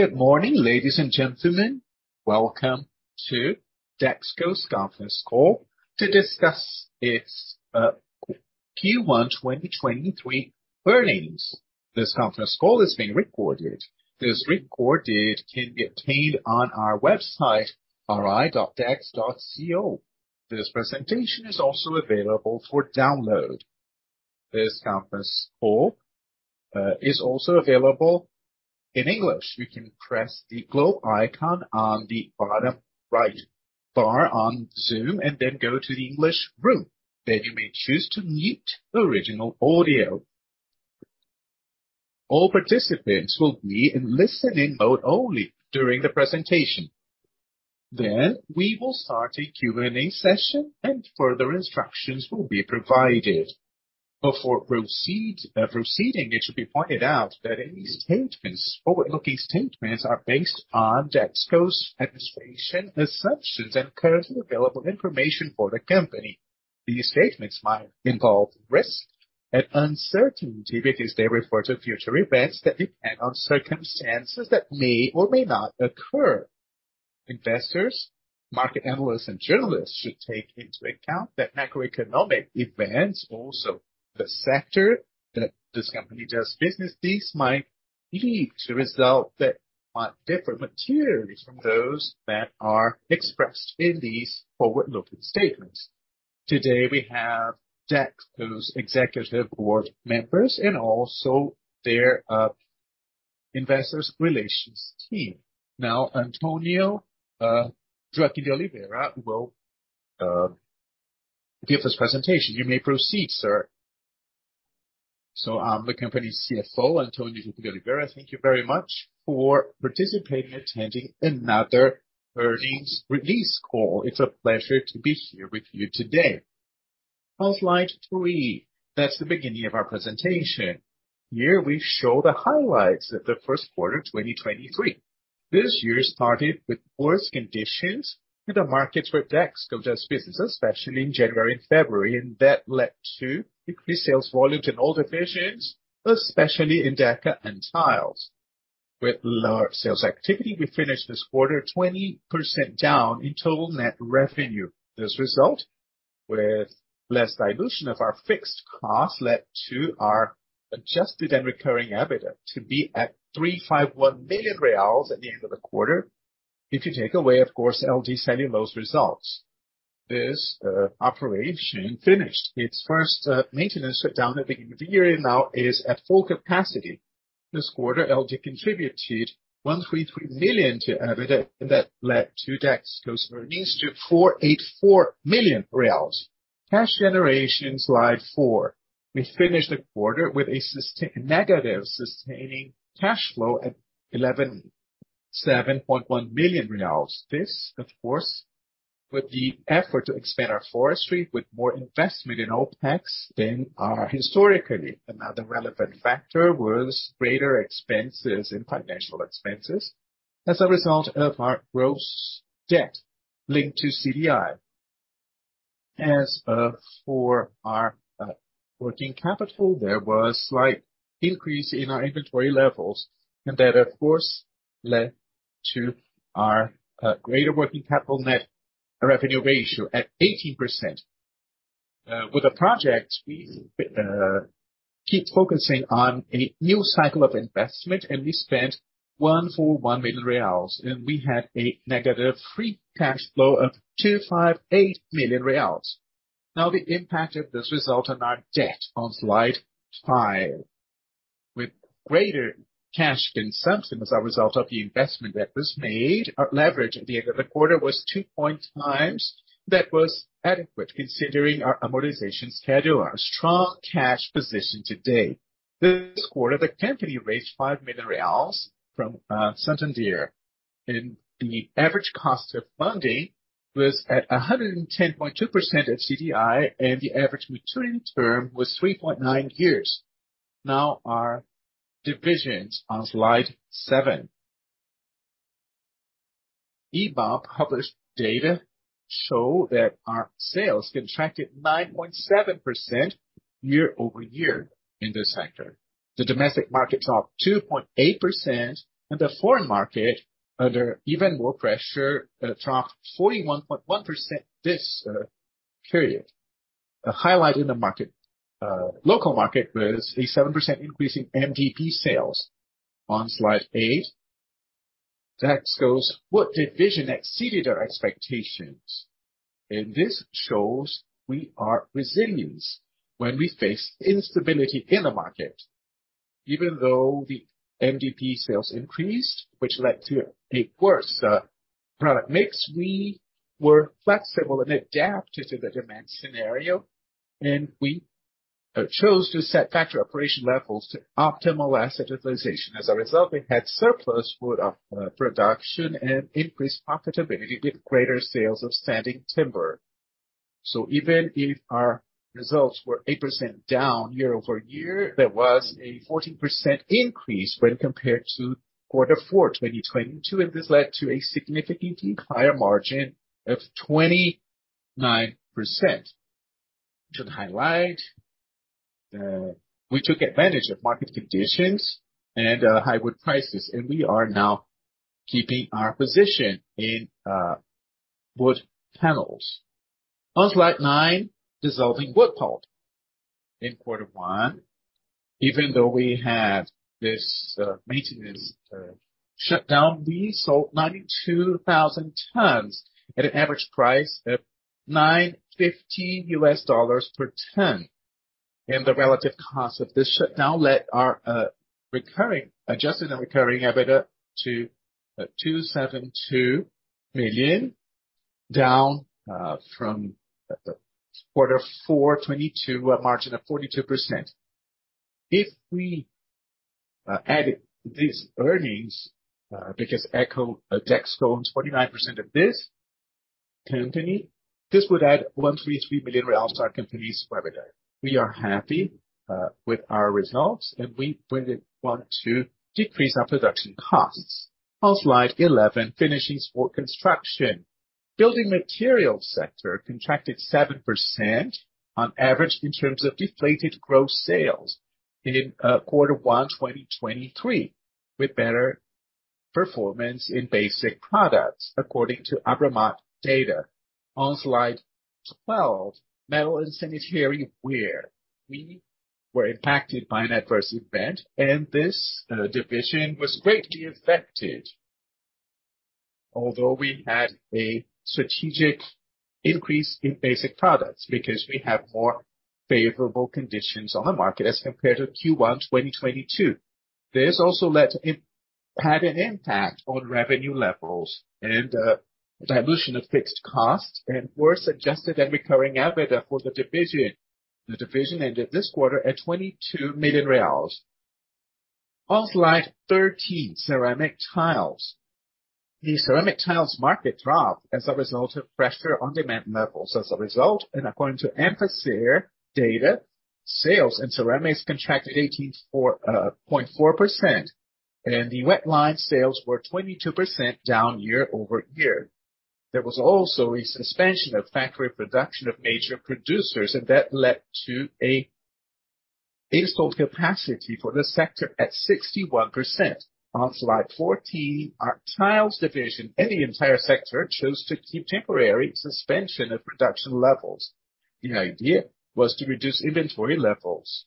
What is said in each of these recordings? Good morning, ladies and gentlemen. Welcome to Dexco's conference call to discuss its Q1 2023 earnings. This conference call is being recorded. This recording can be obtained on our website, ri.dex.co. This presentation is also available for download. This conference call is also available in English. You can press the globe icon on the bottom right bar on Zoom and then go to the English room. There you may choose to mute the original audio. All participants will be in listen-in mode only during the presentation. We will start a Q&A session and further instructions will be provided. Before proceeding, it should be pointed out that any statements, forward-looking statements, are based on Dexco's administration assumptions and currently available information for the company. These statements might involve risk and uncertainty because they refer to future events that depend on circumstances that may or may not occur. Investors, market analysts, and journalists should take into account that macroeconomic events, also the sector that this company does business, these might lead to result that are different materially from those that are expressed in these forward-looking statements. Today, we have Dexco's executive board members and also their investors relations team. Antonio Joaquim de Oliveira will give this presentation. You may proceed, sir. I'm the company's CFO, Antonio Joaquim de Oliveira. Thank you very much for participating, attending another earnings release call. It's a pleasure to be here with you today. On slide three, that's the beginning of our presentation. Here we show the highlights of the first quarter, 2023. This year started with poor conditions in the markets where Dexco does business, especially in January and February, that led to decreased sales volumes in all divisions, especially in Deca and RC. With lower sales activity, we finished this quarter 20% down in total net revenue. This result with less dilution of our fixed costs led to our adjusted and recurring EBITDA to be at 351 million reais at the end of the quarter. If you take away, of course, LD Celulose results. This operation finished its first maintenance shutdown at the beginning of the year and now is at full capacity. This quarter, LD contributed 133 million to EBITDA. That led to Dexco's earnings to 484 million reais. Cash generation, slide 4. We finished the quarter with a negative sustaining cash flow at BRL 117.1 million. Of course, with the effort to expand our forestry with more investment in OpEx than historically. Another relevant factor was greater expenses in financial expenses as a result of our gross debt linked to CDI. For our working capital, there was slight increase in our inventory levels, and that, of course, led to our greater working capital net revenue ratio at 18%. With the project we keep focusing on a new cycle of investment, and we spent 141 million reais, and we had a negative free cash flow of 258 million reais. The impact of this result on our debt on slide 5. With greater cash consumption as a result of the investment that was made, our leverage at the end of the quarter was 2.0x. That was adequate considering our amortization schedule. Our strong cash position to date. This quarter, the company raised 5 million reais from Santander, the average cost of funding was at 110.2% at CDI, the average maturity term was 3.9 years. Our divisions on slide 7. IBGE published data show that our sales contracted 9.7% year-over-year in this sector. The domestic market dropped 2.8%, the foreign market, under even more pressure, dropped 41.1% this period. The highlight in the market, local market, was a 7% increase in MDP sales. On slide 8, Dexco's wood division exceeded our expectations. This shows we are resilient when we face instability in the market. Even though the MDP sales increased, which led to a worse product mix, we were flexible and adapted to the demand scenario, and we chose to set factory operation levels to optimal asset utilization. As a result, we had surplus wood production and increased profitability with greater sales of standing timber. Even if our results were 8% down year-over-year, there was a 14% increase when compared to Q4 2022, and this led to a significantly higher margin of 29%. We took advantage of market conditions and high wood prices, and we are now keeping our position in wood panels. On slide 9, dissolving wood pulp. In quarter one, even though we had this maintenance shutdown, we sold 92,000 tons at an average price of $950 per ton. The relative cost of this shutdown let our adjusted and recurring EBITDA to 272 million down from quarter four 2022, a margin of 42%. If we added these earnings, because Dexco owns 49% of this company, this would add 133 million real to our company's revenue. We are happy with our results, and we really want to decrease our production costs. On slide 11, finishings for construction. Building material sector contracted 7% on average in terms of deflated gross sales in quarter one 2023, with better performance in basic products, according to ABRAMAT data. On slide 12, metal and sanitary ware. We were impacted by an adverse event. This division was greatly affected. We had a strategic increase in basic products because we have more favorable conditions on the market as compared to Q1 2022. This also led to it have an impact on revenue levels and dilution of fixed costs and worse adjusted and recurring EBITDA for the division. The division ended this quarter at 22 million reais. On slide 13, ceramic tiles. The ceramic tiles market dropped as a result of pressure on demand levels as a result. According to Anfacer data, sales and ceramics contracted 18.4%. The wet line sales were 22% down year-over-year. There was also a suspension of factory production of major producers. That led to a installed capacity for the sector at 61%. On slide 14, our tiles division and the entire sector chose to keep temporary suspension of production levels. The idea was to reduce inventory levels.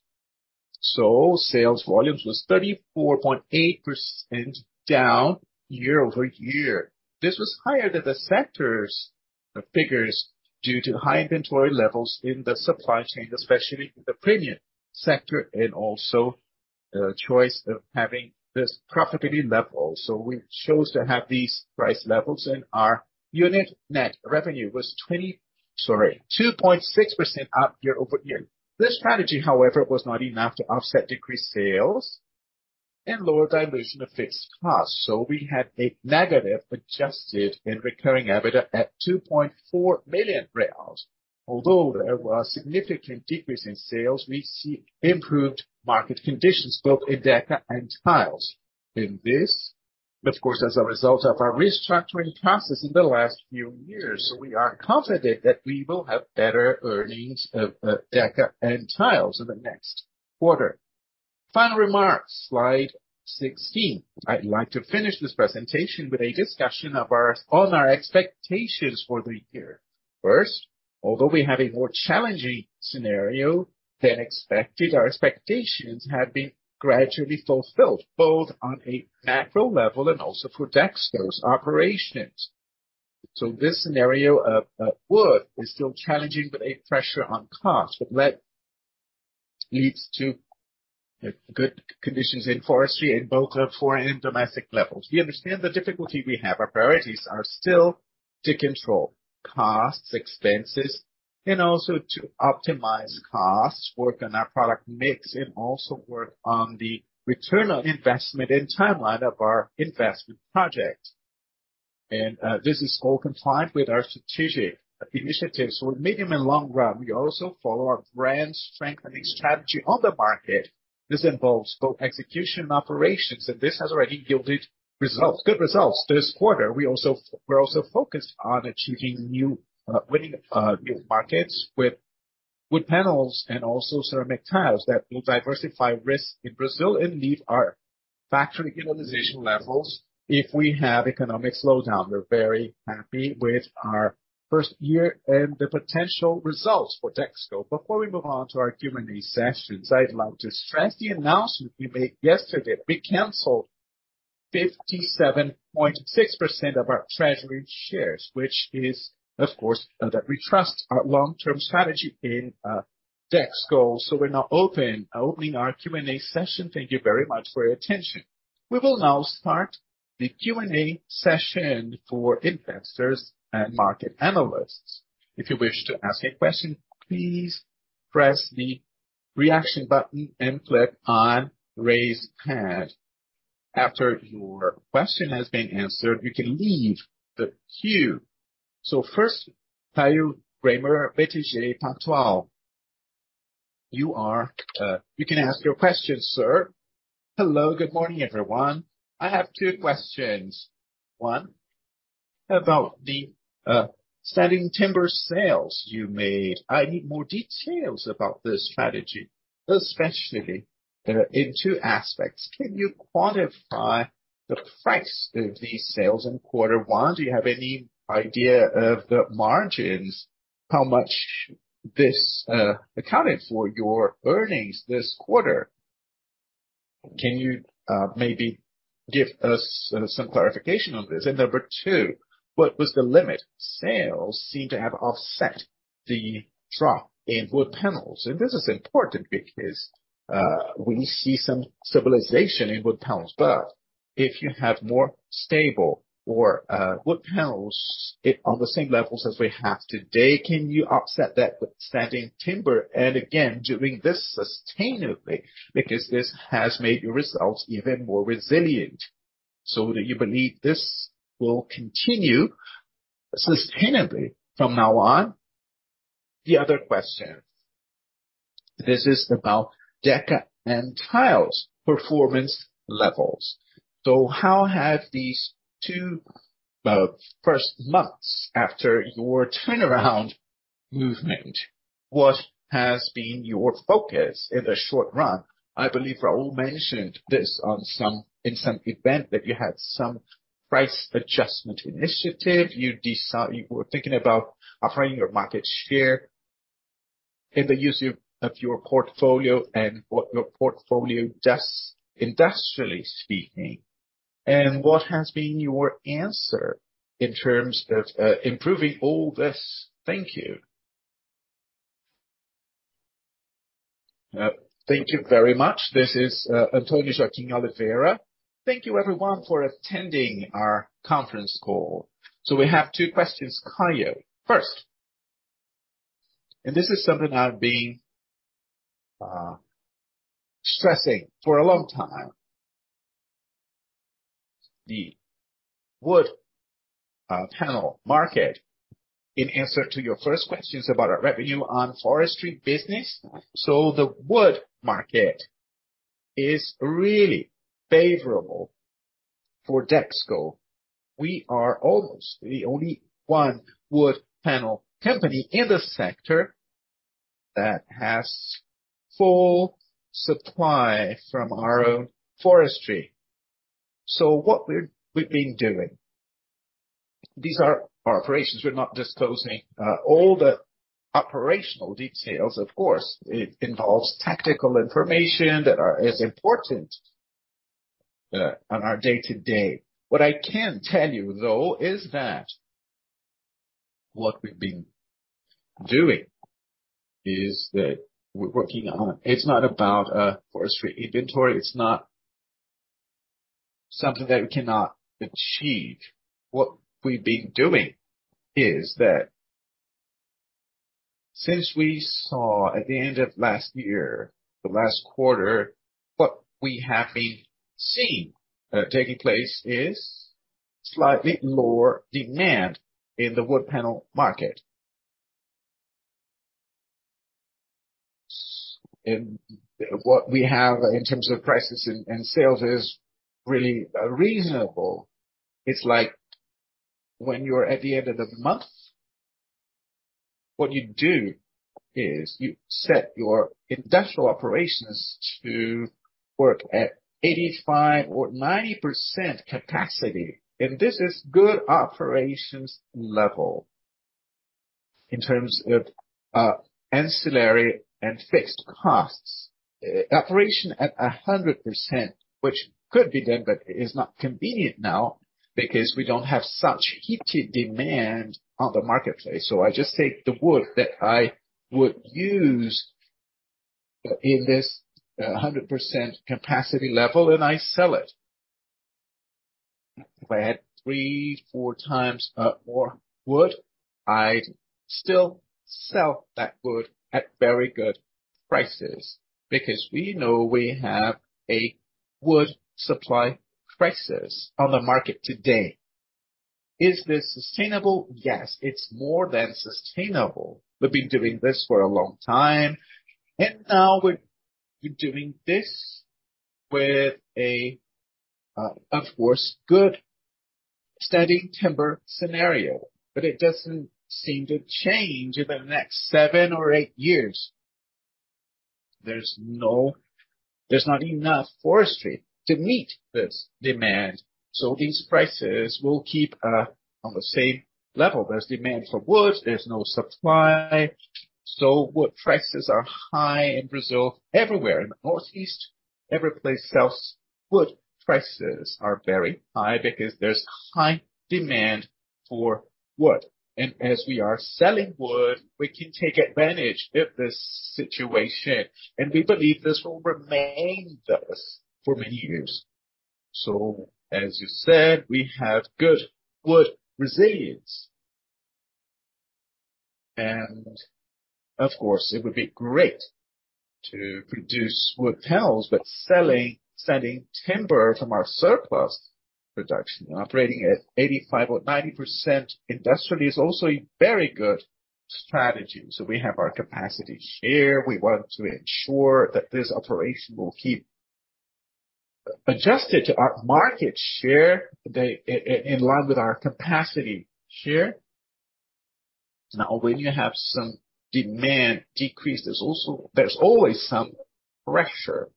Sales volumes was 34.8% down year-over-year. This was higher than the sector's figures due to the high inventory levels in the supply chain, especially in the premium sector, and also, choice of having this profitability level. We chose to have these price levels, and our unit net revenue was 2.6% up year-over-year. This strategy, however, was not enough to offset decreased sales and lower dilution of fixed costs. We had a negative adjusted and recurring EBITDA at 2.4 million reais. Although there was significant decrease in sales, we see improved market conditions both in Deca and Tiles. This, of course, as a result of our restructuring process in the last few years. We are confident that we will have better earnings of Deca and Tiles in the next quarter. Final remarks, slide sixteen. I'd like to finish this presentation with a discussion on our expectations for the year. First, although we have a more challenging scenario than expected, our expectations have been gradually fulfilled, both on a macro level and also for Dexco's operations. This scenario of wood is still challenging, but a pressure on cost that leads to good conditions in forestry in both foreign and domestic levels. We understand the difficulty we have. Our priorities are still to control costs, expenses, and also to optimize costs, work on our product mix, and also work on the return on investment and timeline of our investment project. This is all compliant with our strategic initiatives. Medium and long run, we also follow our brand strengthening strategy on the market. This involves both execution and operations, and this has already yielded results, good results. This quarter, we're also focused on achieving new, winning new markets with wood panels and also ceramic tiles that will diversify risk in Brazil and leave our factory utilization levels if we have economic slowdown. We're very happy with our first year and the potential results for Dexco. Before we move on to our Q&A session, I'd like to stress the announcement we made yesterday. We canceled 57.6% of our treasury shares, which is, of course, that we trust our long-term strategy in Dexco. We're now open, opening our Q&A session. Thank you very much for your attention. We will now start the Q&A session for investors and market analysts. If you wish to ask a question, please press the reaction button and click on Raise Hand. After your question has been answered, you can leave the queue. First, Caio Greiner, BTG Pactual. You can ask your question, sir. Hello. Good morning, everyone. I have two questions. One, about the selling timber sales you made. I need more details about this strategy, especially in two aspects. Can you quantify the price of these sales in Q1? Do you have any idea of the margins, how much this accounted for your earnings this quarter? Can you maybe give us some clarification on this? Number 2, what was the limit? Sales seem to have offset the drop in wood panels. This is important because we see some civilization in wood panels, but if you have more stable or wood panels on the same levels as we have today, can you offset that with selling timber, and again, doing this sustainably? Because this has made your results even more resilient. Do you believe this will continue sustainably from now on? The other question, this is about Deca and tiles performance levels. How have these two first months after your turnaround movement, what has been your focus in the short run? I believe Raul mentioned this in some event that you had some price adjustment initiative. You were thinking about offering your market share in the use of your portfolio and what your portfolio does, industrially speaking. What has been your answer in terms of improving all this? Thank you. Thank you very much. This is Antonio Joaquim de Oliveira. Thank you everyone for attending our conference call. We have two questions, Caio. First, this is something I've been stressing for a long time. The wood panel market. In answer to your first questions about our revenue on forestry business. The wood market is really favorable for Dexco. We are almost the only one wood panel company in the sector that has full supply from our own forestry. What we've been doing, these are operations. We're not disclosing all the operational details. Of course, it involves tactical information that are as important on our day-to-day. What I can tell you, though, is that what we've been doing is that we're working on... It's not about a forestry inventory. It's not something that we cannot achieve. What we've been doing is that since we saw at the end of last year, the last quarter, what we have been seeing, taking place is slightly lower demand in the wood panel market. What we have in terms of prices and sales is really reasonable. It's like when you're at the end of the month, what you do is you set your industrial operations to work at 85% or 90% capacity, and this is good operations level in terms of ancillary and fixed costs. Operation at 100%, which could be done but is not convenient now because we don't have such heated demand on the marketplace. I just take the wood that I would use in this 100% capacity level, and I sell it. If I had three, four times more wood, I'd still sell that wood at very good prices because we know we have a wood supply crisis on the market today. Is this sustainable? Yes, it's more than sustainable. We've been doing this for a long time, and now we're doing this with a, of course, good standing timber scenario. It doesn't seem to change in the next seven or eight years. There's not enough forestry to meet this demand. These prices will keep on the same level. There's demand for wood, there's no supply, so wood prices are high in Brazil, everywhere in the northeast. Every place sells wood. Prices are very high because there's high demand for wood. As we are selling wood, we can take advantage of this situation, and we believe this will remain thus for many years. As you said, we have good wood resilience. Of course, it would be great to produce wood panels, but selling standing timber from our surplus production operating at 85% or 90% industrially is also a very good strategy. We have our capacity share. We want to ensure that this operation will keep adjusted to our market share, in line with our capacity share. When you have some demand decrease, there's always some pressure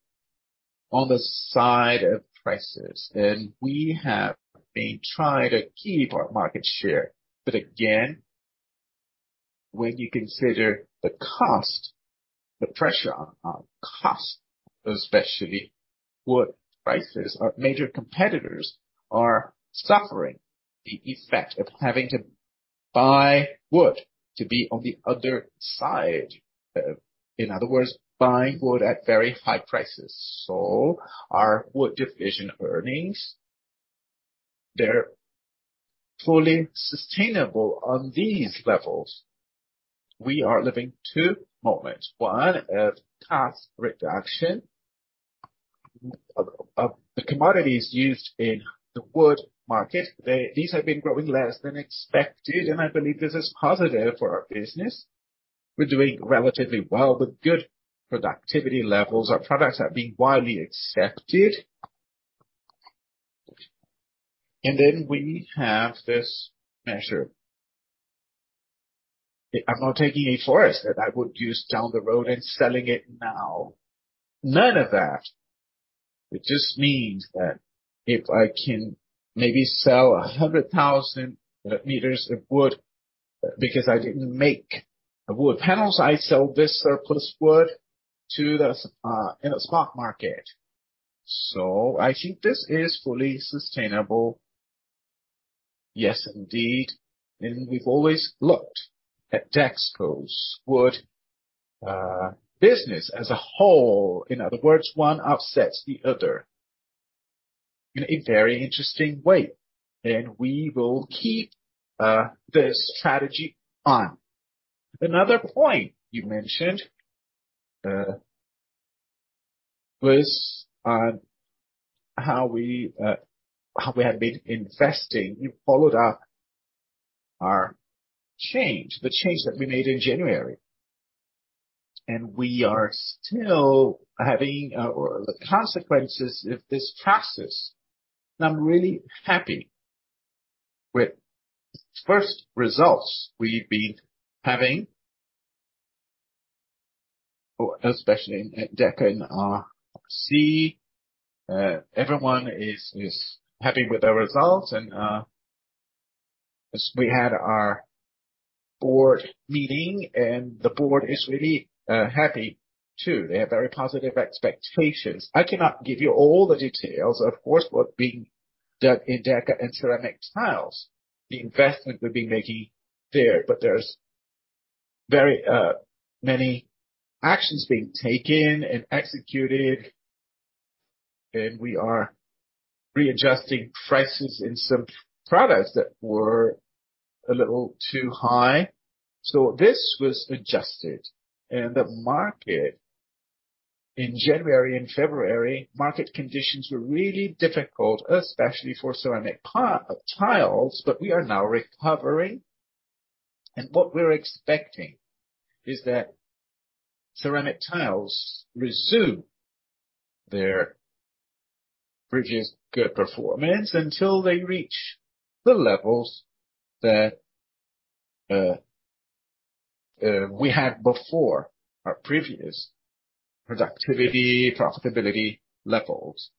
on the side of prices. We have been trying to keep our market share. Again, when you consider the cost, the pressure on our cost, especially wood prices, our major competitors are suffering the effect of having to buy wood to be on the other side. In other words, buying wood at very high prices. Our wood division earnings, they're fully sustainable on these levels. We are living two moments. One of cost reduction of the commodities used in the wood market. These have been growing less than expected. I believe this is positive for our business. We're doing relatively well with good productivity levels. Our products are being widely accepted. We have this measure. I'm not taking a forest that I would use down the road and selling it now. None of that. It just means that if I can maybe sell 100,000 meters of wood because I didn't make wood panels, I sell this surplus wood to the spot market. I think this is fully sustainable. Yes, indeed. We've always looked at Dexco's wood business as a whole. In other words, one offsets the other in a very interesting way. We will keep this strategy on. Another point you mentioned was on how we, how we had been investing. You followed up our change, the change that we made in January, we are still having the consequences of this crisis. I'm really happy with the first results we've been having, especially at Deca and RC. Everyone is happy with the results. We had our board meeting, and the board is really happy too. They have very positive expectations. I cannot give you all the details, of course, what's being done in Deca and ceramic tiles, the investment we've been making there, but there's very many actions being taken and executed, and we are readjusting prices in some products that were a little too high. This was adjusted. The market in January and February, market conditions were really difficult, especially for ceramic tiles, but we are now recovering. What we're expecting is that ceramic tiles resume their previous good performance until they reach the levels that we had before, our previous productivity, profitability levels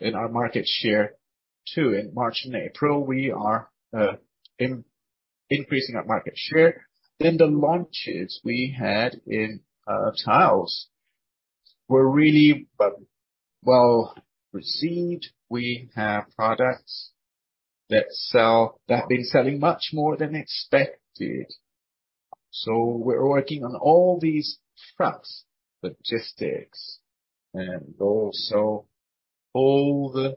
in our market share too. In March and April, we are increasing our market share. The launches we had in tiles were really well received. We have products that have been selling much more than expected. We're working on all these fronts, logistics, and also all the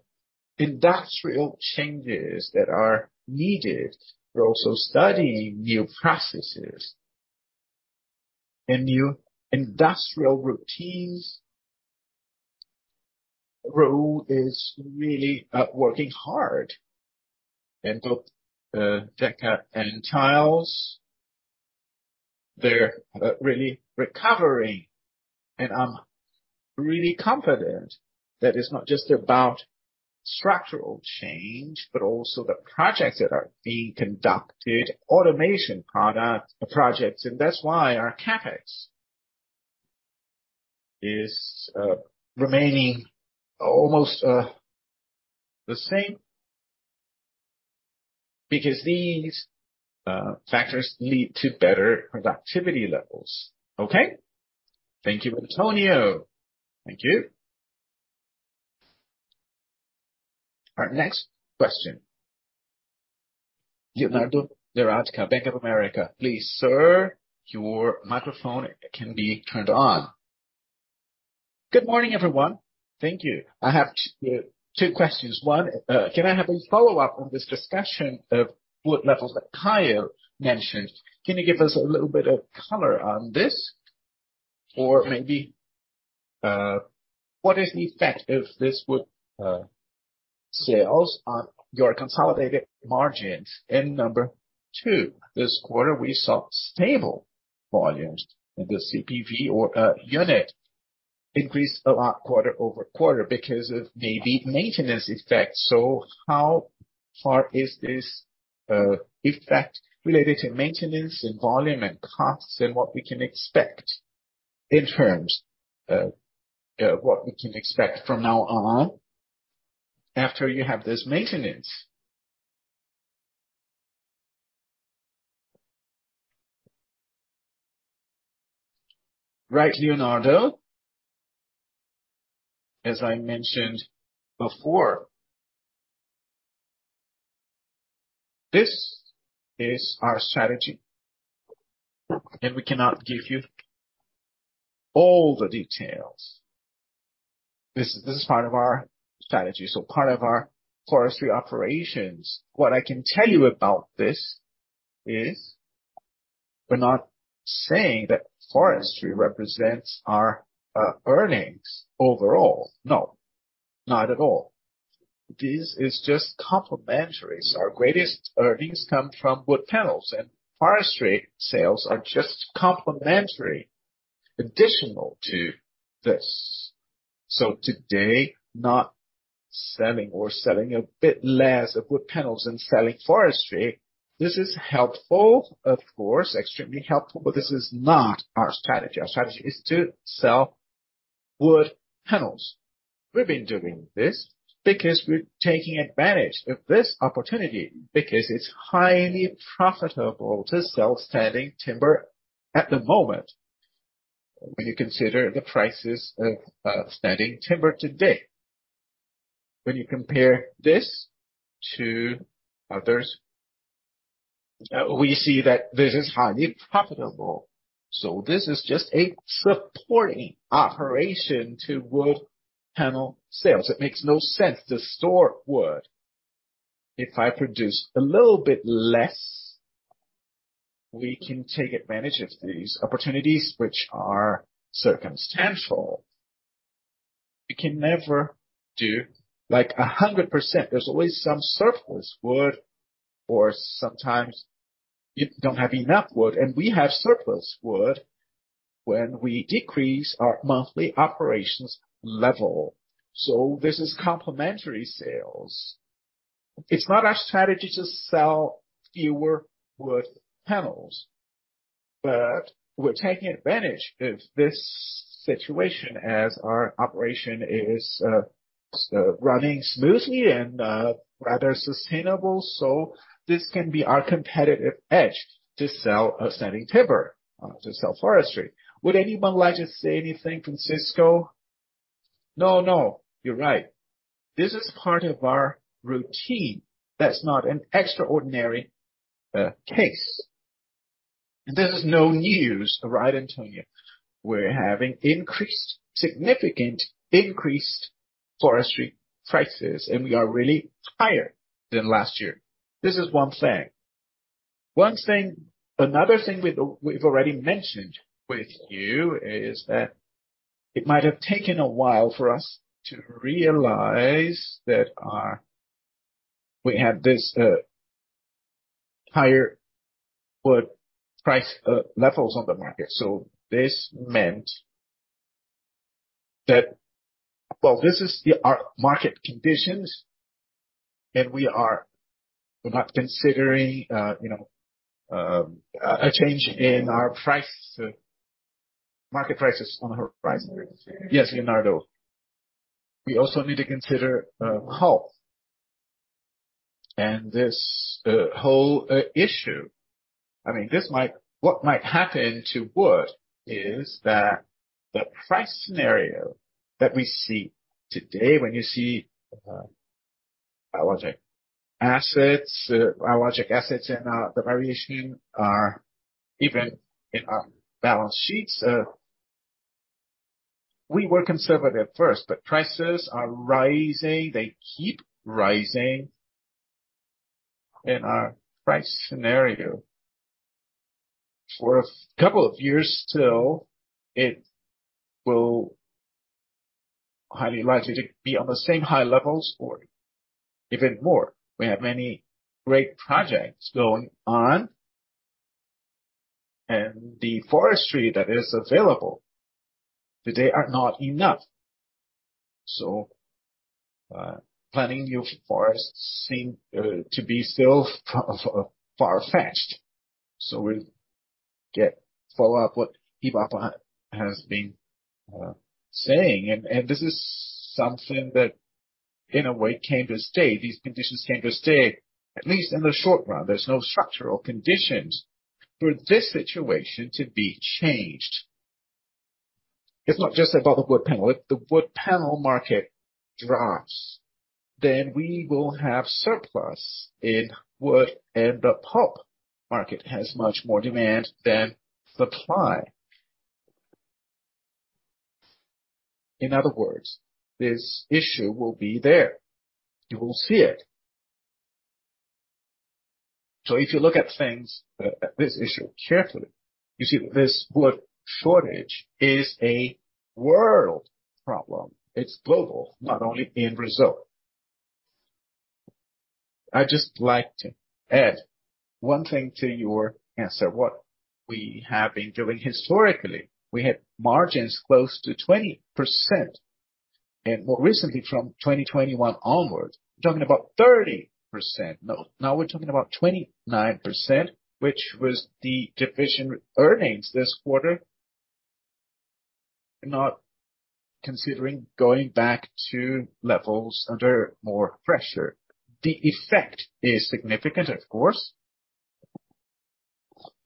industrial changes that are needed. We're also studying new processes and new industrial routines. Raul is really working hard. Both, Deca and Tiles, they're really recovering. I'm really confident that it's not just about structural change, but also the projects that are being conducted, automation product projects. That's why our CapEx is remaining almost the same, because these factors lead to better productivity levels. Okay. Thank you, Antonio. Thank you. Our next question, Leonardo Correa, Bank of America. Please, sir, your microphone can be turned on. Good morning, everyone. Thank you. I have two questions. One, can I have a follow-up on this discussion of wood levels that Caio mentioned? Can you give us a little bit of color on this? Maybe, what is the effect if this would sales on your consolidated margins. Number two, this quarter we saw stable volumes in the CPV or unit increase a lot quarter-over-quarter because of maybe maintenance effects. How far is this effect related to maintenance and volume and costs and what we can expect in terms of what we can expect from now on after you have this maintenance. Right, Leonardo? As I mentioned before, this is our strategy, and we cannot give you all the details. This is part of our strategy, so part of our forestry operations. What I can tell you about this is we're not saying that forestry represents our earnings overall. No, not at all. This is just complementary. Our greatest earnings come from wood panels, and forestry sales are just complementary additional to this. Today, not selling or selling a bit less of wood panels and selling forestry, this is helpful, of course, extremely helpful, but this is not our strategy. Our strategy is to sell wood panels. We've been doing this because we're taking advantage of this opportunity because it's highly profitable to sell standing timber at the moment when you consider the prices of standing timber today. When you compare this to others, we see that this is highly profitable. This is just a supporting operation to wood panel sales. It makes no sense to store wood. If I produce a little bit less, we can take advantage of these opportunities, which are circumstantial. We can never do like 100%. There's always some surplus wood or sometimes you don't have enough wood. We have surplus wood when we decrease our monthly operations level. This is complementary sales. It's not our strategy to sell fewer wood panels. We're taking advantage of this situation as our operation is running smoothly and rather sustainable. This can be our competitive edge to sell a standing timber, to sell forestry. Would anyone like to say anything, Francisco? No, you're right. This is part of our routine. That's not an extraordinary case. This is no news, right, Antonio? We're having significant increased forestry prices, and we are really higher than last year. This is one thing. Another thing we've already mentioned with you is that it might have taken a while for us to realize that we have this higher wood price levels on the market. This meant that. Well, this is our market conditions, and we're not considering, you know, a change in our price, market prices on the horizon. Yes, Leonardo. We also need to consider how. This whole issue. I mean, what might happen to wood is that the price scenario that we see today when you see biologic assets and the variation are even in our balance sheets. We were conservative first, prices are rising. They keep rising. In our price scenario for a couple of years still, it will highly likely to be on the same high levels or even more. We have many great projects going on, the forestry that is available today are not enough. Planning new forests seem to be still far fetched. We'll get follow up what Eva has been saying. This is something that in a way came to stay. These conditions came to stay. At least in the short run, there's no structural conditions for this situation to be changed. It's not just about the wood panel. If the wood panel market drops, then we will have surplus in wood, and the pulp market has much more demand than supply. In other words, this issue will be there. You will see it. If you look at things at this issue carefully, you see this wood shortage is a world problem. It's global, not only in Brazil. I'd just like to add one thing to your answer. What we have been doing historically, we had margins close to 20%. More recently, from 2021 onwards, we're talking about 30%. No, now we're talking about 29%, which was the division earnings this quarter. Not considering going back to levels under more pressure. The effect is significant,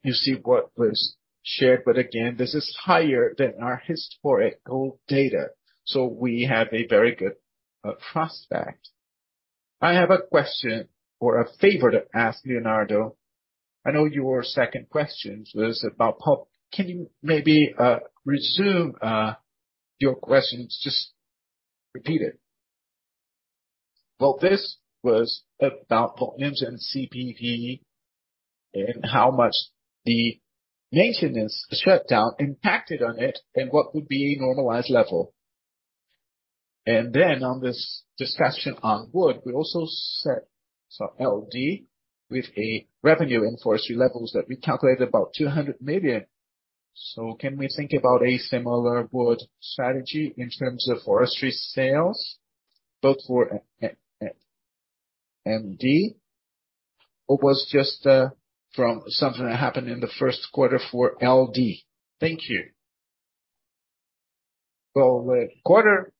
of course. You see what was shared, but again, this is higher than our historical data. We have a very good prospect. I have a question or a favor to ask Leonardo. I know your second question was about pulp. Can you maybe resume your questions, just repeat it? This was about volumes and CPV and how much the maintenance shut down impacted on it and what would be a normalized level. On this discussion on wood, we also set some LD with a revenue in forestry levels that we calculated about 200 million. Can we think about a similar wood strategy in terms of forestry sales, both for MDP? Was just from something that happened in the first quarter for LD? Thank you. With quarter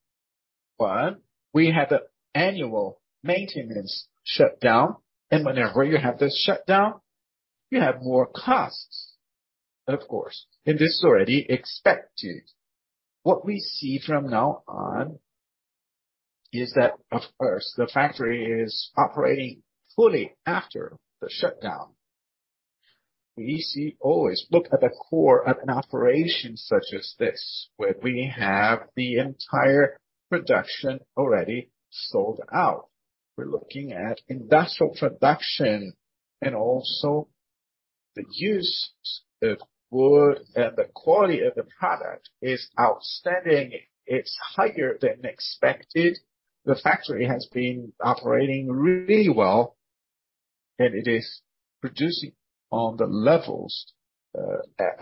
one, we had the annual maintenance shut down. Whenever you have this shut down, you have more costs, of course. This is already expected. What we see from now on is that, of course, the factory is operating fully after the shutdown. We see always look at the core of an operation such as this, where we have the entire production already sold out. We're looking at industrial production and also the use of wood and the quality of the product is outstanding. It's higher than expected. The factory has been operating really well, and it is producing on the levels,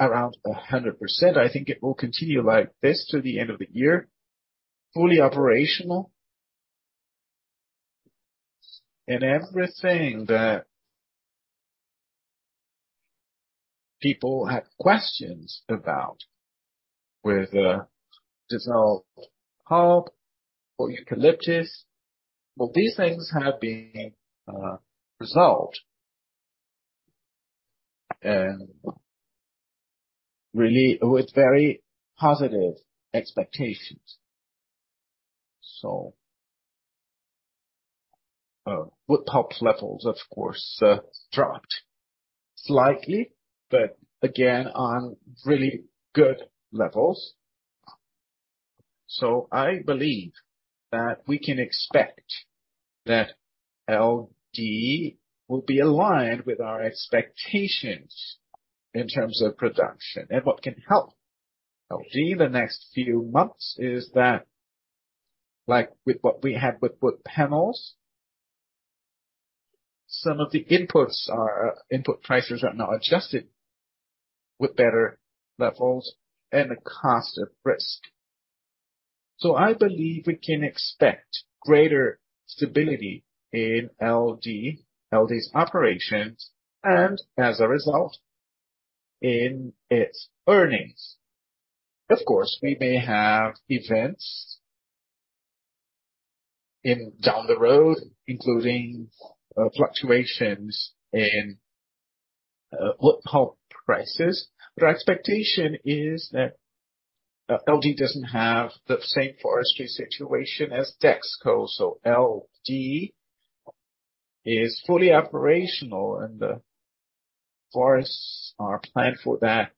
around 100%. I think it will continue like this to the end of the year, fully operational. Everything that people had questions about with dissolving pulp or eucalyptus, well, these things have been resolved, really with very positive expectations. Wood pulp levels, of course, dropped slightly, but again, on really good levels. I believe that we can expect that LD will be aligned with our expectations in terms of production. What can help LD the next few months is that, like with what we had with wood panels, some of the inputs are, input prices are now adjusted with better levels and the cost at risk. I believe we can expect greater stability in LD's operations, and as a result, in its earnings. Of course, we may have events down the road, including fluctuations in wood pulp prices, but our expectation is that LD doesn't have the same forestry situation as Dexco. LD is fully operational, and the forests are planned for that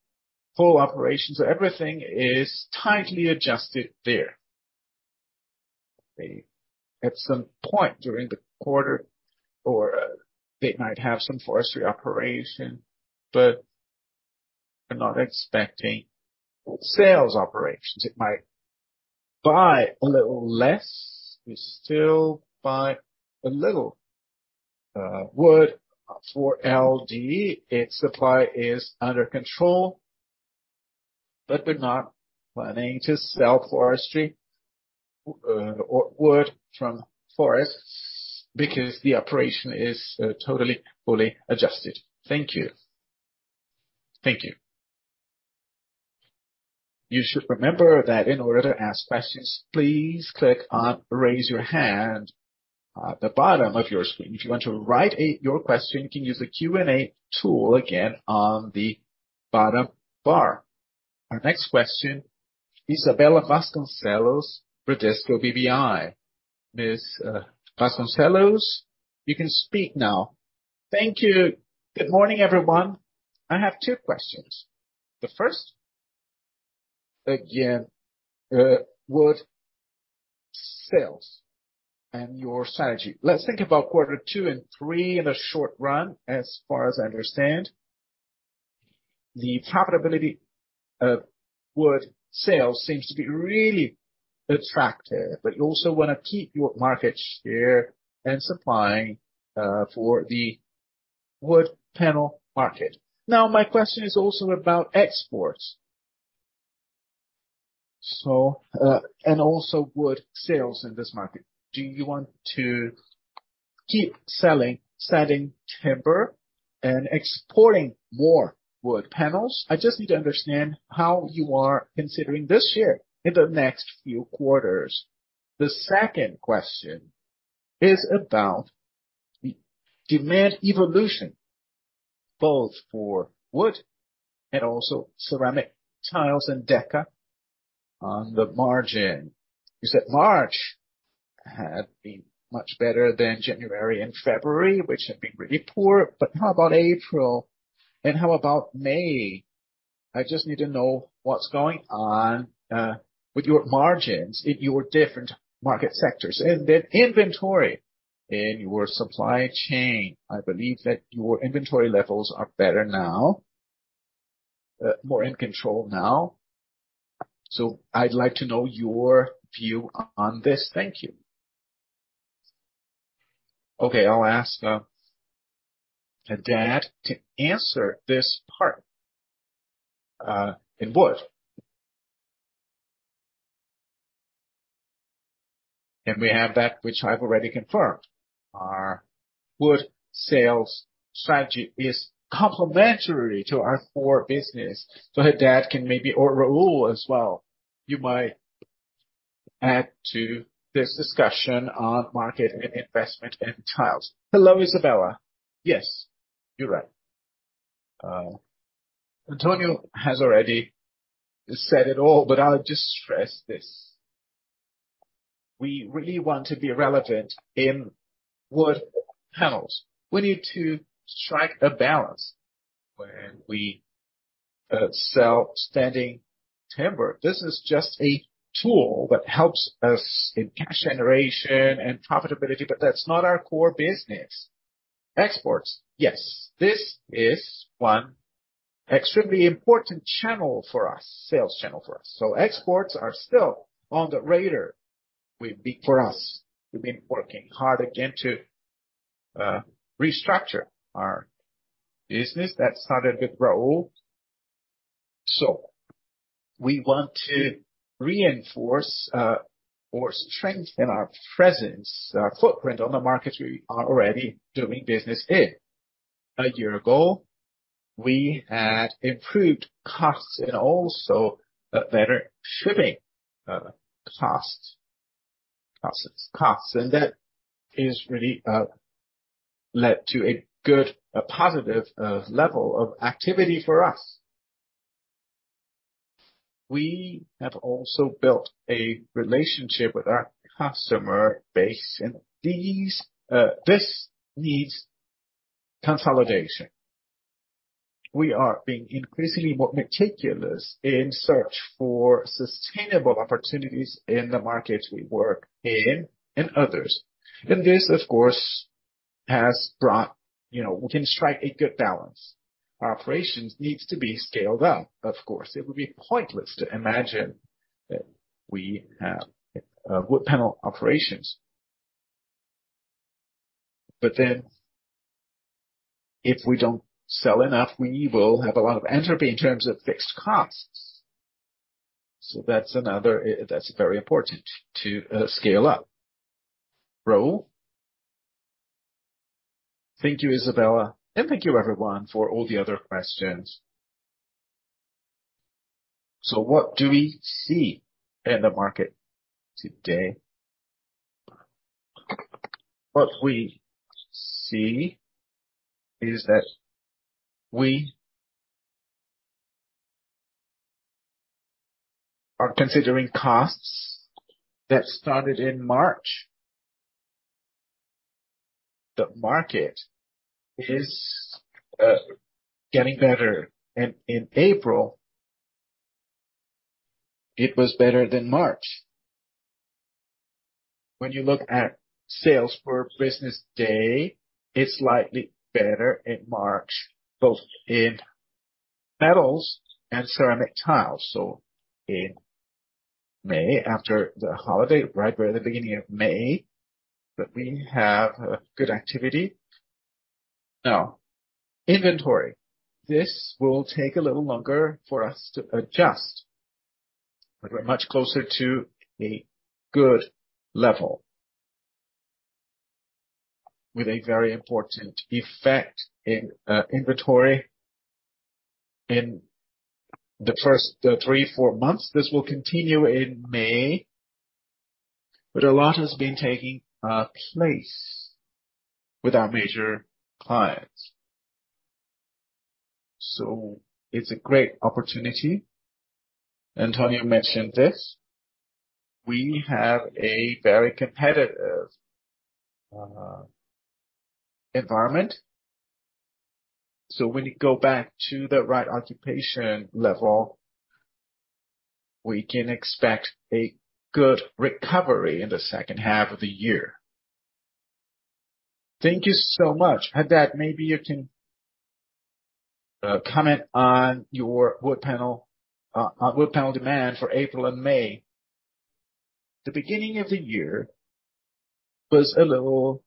full operation. Everything is tightly adjusted there. At some point during the quarter or, they might have some forestry operation, but we're not expecting sales operations. It might buy a little less. We still buy a little wood for LD. Its supply is under control, but we're not planning to sell forestry or wood from forests because the operation is totally, fully adjusted. Thank you. Thank you. You should remember that in order to ask questions, please click on Raise Your Hand at the bottom of your screen. If you want to write your question, you can use the Q&A tool again on the bottom bar. Our next question, Isabella Vasconcelos, Bradesco BBI. Miss Vasconcelos, you can speak now. Thank you. Good morning, everyone. I have two questions. The firstAgain, wood sales and your strategy. Let's think about quarter two and three in a short run. As far as I understand, the profitability of wood sales seems to be really attractive, but you also wanna keep your market share and supplying, for the wood panel market. Now, my question is also about exports. And also wood sales in this market. Do you want to keep selling standing timber and exporting more wood panels? I just need to understand how you are considering this year in the next few quarters. The second question is about demand evolution, both for wood and also ceramic tiles and Deca on the margin. You said March had been much better than January and February, which had been really poor. How about April and how about May? I just need to know what's going on, with your margins in your different market sectors and the inventory in your supply chain. I believe that your inventory levels are better now, more in control now. I'd like to know your view on this. Thank you. Okay. I'll ask Haddad to answer this part in wood. We have that which I've already confirmed. Our wood sales strategy is complementary to our core business. Haddad can maybe or Raul as well, you might add to this discussion on market and investment in tiles. Hello, Isabella. Yes, you're right. Antonio has already said it all, but I'll just stress this. We really want to be relevant in wood panels. We need to strike a balance when we sell standing timber. This is just a tool that helps us in cash generation and profitability, but that's not our core business. Exports, yes. This is one extremely important channel for us, sales channel for us. Exports are still on the radar for us. We've been working hard again to restructure our business. That started with Raul. We want to reinforce or strengthen our presence, our footprint on the markets we are already doing business in. A year ago, we had improved costs and also better shipping costs, process costs, that is really led to a good, positive level of activity for us. We have also built a relationship with our customer base, this needs consolidation. We are being increasingly more meticulous in search for sustainable opportunities in the markets we work in and others. This, of course, has brought, you know, we can strike a good balance. Our operations needs to be scaled up of course. It would be pointless to imagine that we have wood panel operations. If we don't sell enough, we will have a lot of entropy in terms of fixed costs. That's another, that's very important to scale up. Raul. Thank you, Isabella, and thank you everyone for all the other questions. What do we see in the market today? What we see is that we are considering costs that started in March. The market is getting better. In April, it was better than March. When you look at sales per business day, it's slightly better in March, both in metals and ceramic tiles. In May, after the holiday, right, we're in the beginning of May, but we have a good activity. Now, inventory. This will take a little longer for us to adjust, but we're much closer to a good level with a very important effect in inventory in the first three, four months. This will continue in May. A lot has been taking place with our major clients. It's a great opportunity. Antonio mentioned this. We have a very competitive environment. When you go back to the right occupation level, we can expect a good recovery in the second half of the year. Thank you so much. Haddad, maybe you can comment on your wood panel on wood panel demand for April and May. The beginning of the year was a little.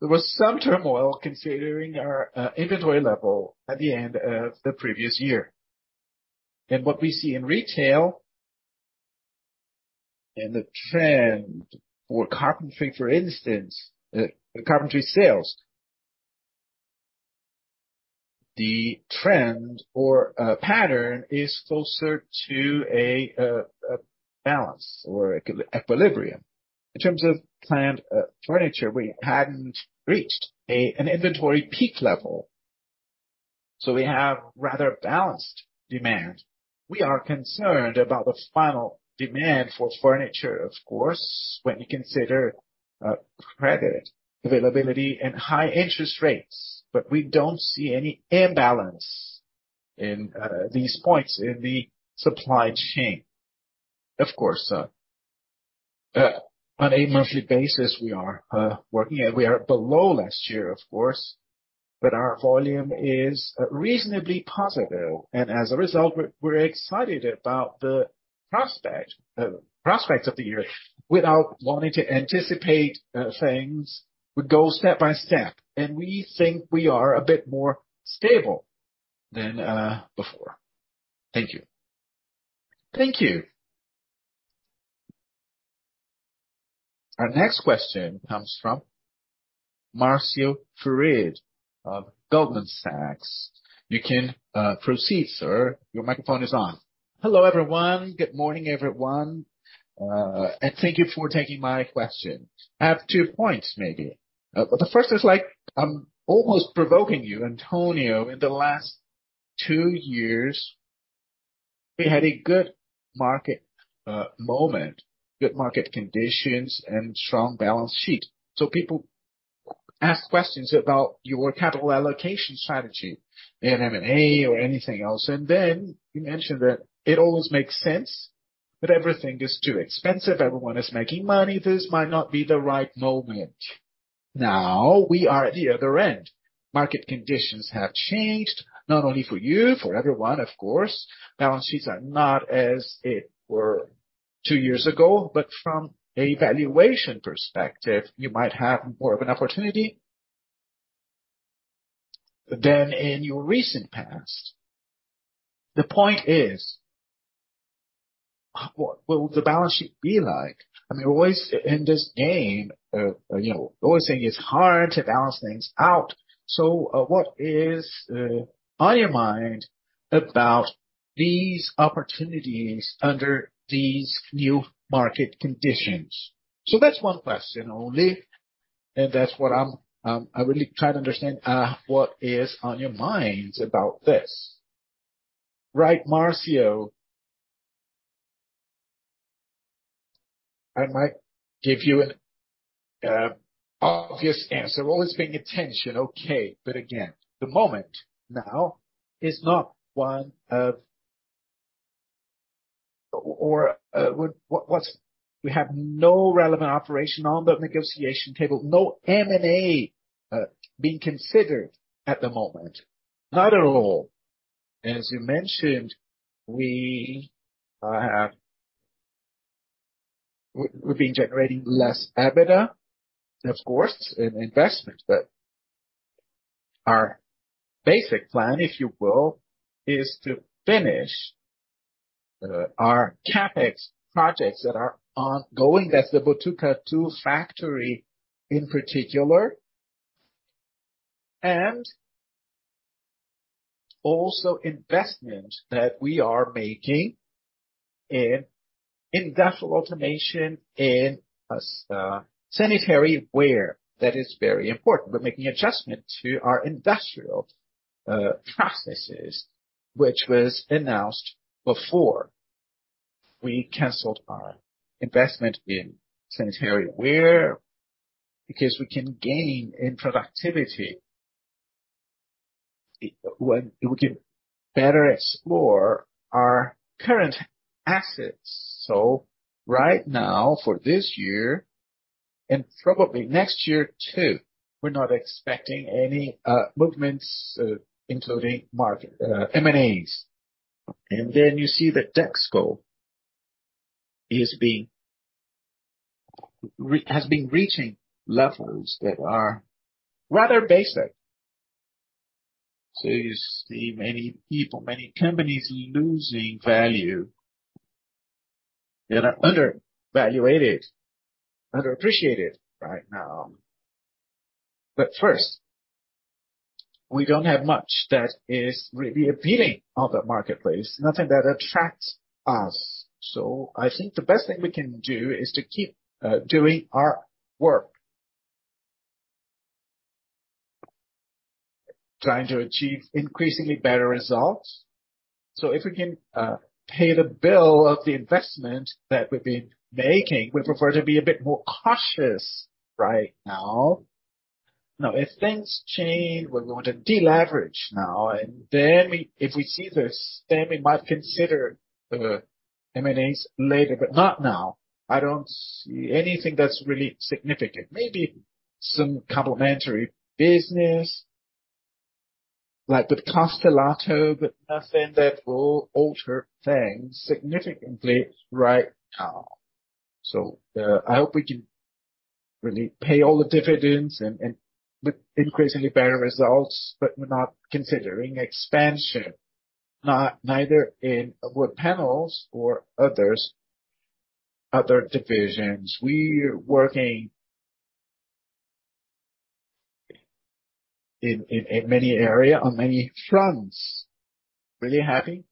There was some turmoil considering our inventory level at the end of the previous year. What we see in retail and the trend for carpentry, for instance, carpentry sales. The trend or pattern is closer to a balance or equilibrium. In terms of planned furniture, we hadn't reached an inventory peak level, so we have rather balanced demand. We are concerned about the final demand for furniture, of course, when you consider credit availability and high interest rates. We don't see any imbalance in these points in the supply chain. Of course, on a monthly basis, we are working and we are below last year, of course, but our volume is reasonably positive. As a result, we're excited about the prospects of the year. Without wanting to anticipate things, we go step by step, and we think we are a bit more stable than before. Thank you. Thank you. Our next question comes from Marcio Farid of Goldman Sachs. You can proceed, sir. Your microphone is on. Hello, everyone. Good morning, everyone. Thank you for taking my question. I have two points maybe. The first is like, I'm almost provoking you, Antonio. In the last two years, we had a good market moment, good market conditions, and strong balance sheet. People ask questions about your capital allocation strategy in M&A or anything else. You mentioned that it almost makes sense that everything is too expensive. Everyone is making money. This might not be the right moment. Now, we are at the other end. Market conditions have changed, not only for you, for everyone, of course. Balance sheets are not as it were two years ago, but from a valuation perspective, you might have more of an opportunity than in your recent past. The point is, what will the balance sheet be like? I mean always in this game, you know, always saying it's hard to balance things out. What is on your mind about these opportunities under these new market conditions? That's one question only, and that's what I'm really trying to understand what is on your minds about this. Right, Marcio. I might give you an obvious answer. Always paying attention. Okay. Again, the moment now is not one of. We have no relevant operation on the negotiation table, no M&A being considered at the moment. Not at all. As you mentioned, we've been generating less EBITDA, of course, in investment. Our basic plan, if you will, is to finish our CapEx projects that are ongoing. That's the Botucatu factory in particular. Also investment that we are making in industrial automation, in sanitary ware. That is very important. We're making adjustment to our industrial processes, which was announced before we canceled our investment in sanitary ware. We can gain in productivity when we can better explore our current assets. Right now for this year. Probably next year too, we're not expecting any movements, including market M&As. Then you see that Dexco has been reaching levels that are rather basic. You see many people, many companies losing value that are undervalued, underappreciated right now. First, we don't have much that is really appealing on the marketplace, nothing that attracts us. I think the best thing we can do is to keep doing our work. Trying to achieve increasingly better results. If we can pay the bill of the investment that we've been making, we prefer to be a bit more cautious right now. If things change, we're going to deleverage now. If we see this, then we might consider the M&As later, but not now. I don't see anything that's really significant. Maybe some complementary business, like with Castelatto, but nothing that will alter things significantly right now. I hope we can really pay all the dividends and with increasingly better results, but we're not considering expansion, neither in wood panels or others, other divisions. We are working in many area, on many fronts. Really happy,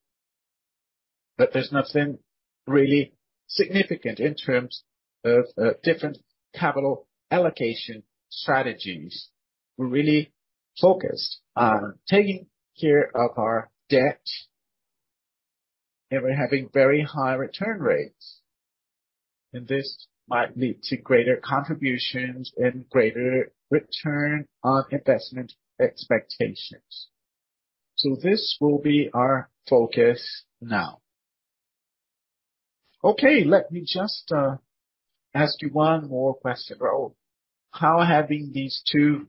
there's nothing really significant in terms of different capital allocation strategies. We're really focused on taking care of our debt, and we're having very high return rates, and this might lead to greater contributions and greater return on investment expectations. This will be our focus now. Okay. Let me just ask you one more question. Well, how have been these two,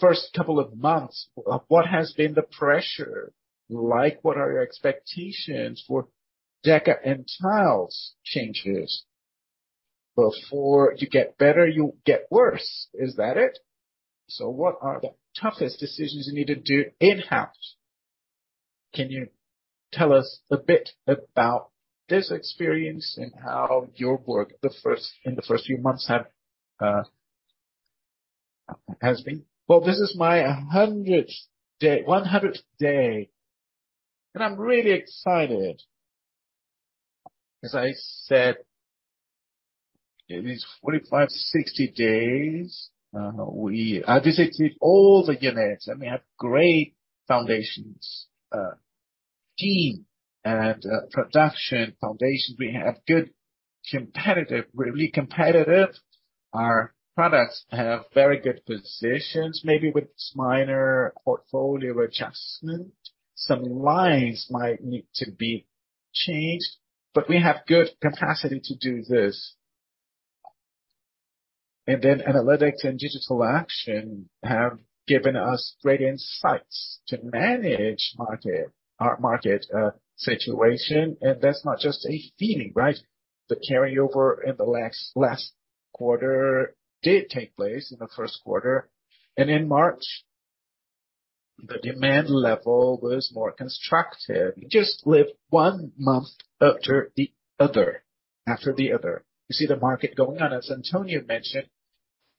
first couple of months, what has been the pressure like? What are your expectations for Deca and tiles changes? Before you get better, you get worse, is that it? What are the toughest decisions you need to do in-house? Can you tell us a bit about this experience and how your work in the first few months has been? Well, this is my 100th day. 100th day. I'm really excited. As I said, in these 45, 60 days, I visited all the units, we have great foundations, team and production foundations. We have good competitive, really competitive. Our products have very good positions, maybe with minor portfolio adjustment. Some lines might need to be changed, we have good capacity to do this. Analytics and digital action have given us great insights to manage market, our market situation, that's not just a feeling, right? The carryover in the last quarter did take place in the first quarter. In March, the demand level was more constructive. You just live one month after the other. You see the market going on. As Antonio mentioned,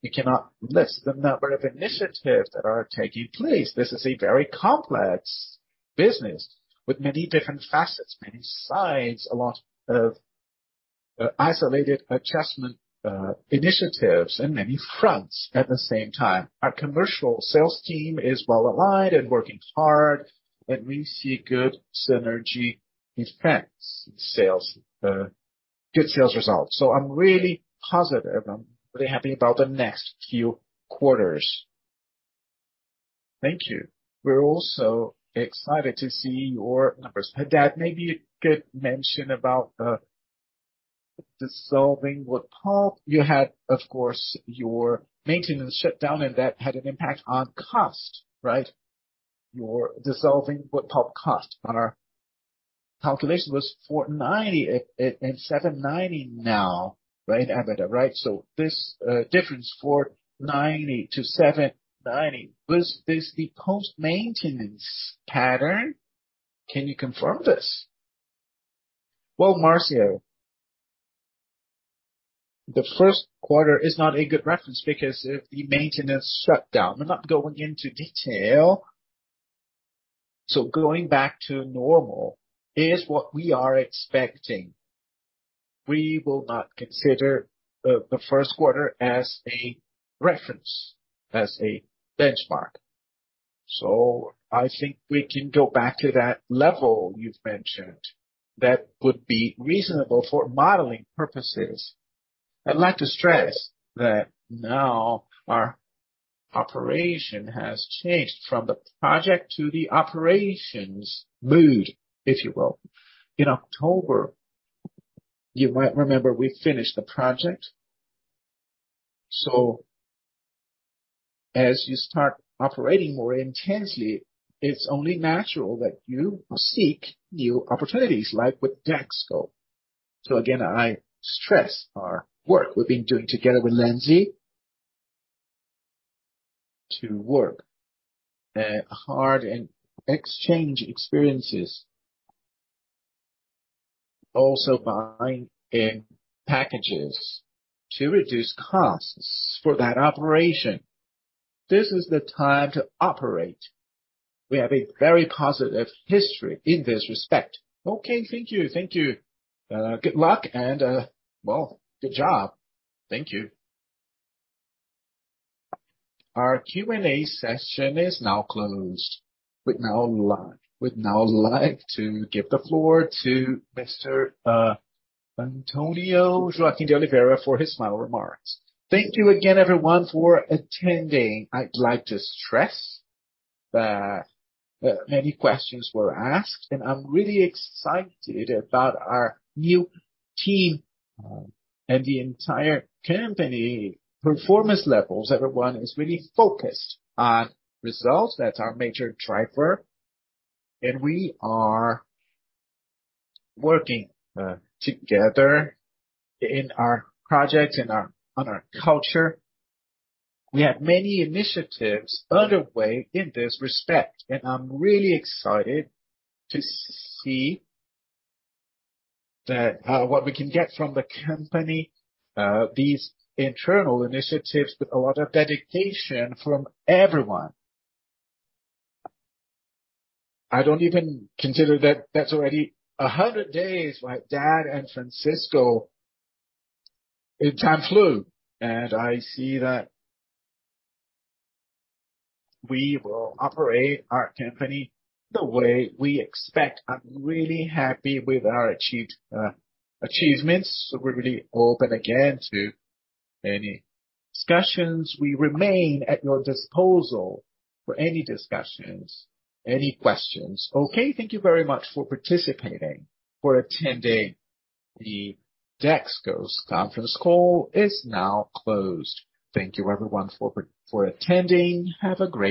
you cannot list the number of initiatives that are taking place. This is a very complex business with many different facets, many sides, a lot of isolated adjustment initiatives and many fronts at the same time. Our commercial sales team is well aligned and working hard. We see good synergy in France sales, good sales results. I'm really positive. I'm really happy about the next few quarters. Thank you. We're also excited to see your numbers. Haddad, maybe you could mention about dissolving wood pulp. You had, of course, your maintenance shutdown and that had an impact on cost, right? Your dissolving wood pulp cost on our calculation was 490 and 790 now, right? EBITDA, right? This difference, 490-790, was this the post-maintenance pattern? Can you confirm this? Well, Marcio, the first quarter is not a good reference because of the maintenance shutdown. We're not going into detail. Going back to normal is what we are expecting. We will not consider the first quarter as a reference, as a benchmark. I think we can go back to that level you've mentioned. That would be reasonable for modeling purposes. I'd like to stress that now our operation has changed from the project to the operations mood, if you will. In October, you might remember we finished the project. As you start operating more intensely, it's only natural that you seek new opportunities, like with Dexco. Again, I stress our work we've been doing together with Lenzing to work hard and exchange experiences. Also buying in packages to reduce costs for that operation. This is the time to operate. We have a very positive history in this respect. Okay. Thank you. Thank you. Good luck and, well, good job. Thank you. Our Q&A session is now closed. We'd now like to give the floor to Mr. Antonio Joaquim de Oliveira for his final remarks. Thank you again, everyone, for attending. I'd like to stress that many questions were asked, and I'm really excited about our new team and the entire company performance levels. Everyone is really focused on results. That's our major driver. We are working together in our projects, on our culture. We have many initiatives underway in this respect, and I'm really excited to see that what we can get from the company, these internal initiatives with a lot of dedication from everyone. I don't even consider that that's already 100 days, like Haddad and Francisco. Time flew, I see that we will operate our company the way we expect. I'm really happy with our achieved achievements. We're really open again to any discussions. We remain at your disposal for any discussions, any questions. Okay. Thank you very much for participating, for attending. The Dexco's conference call is now closed. Thank you everyone for attending. Have a great day.